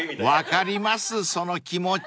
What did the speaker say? ［分かりますその気持ち］